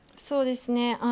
そうですね。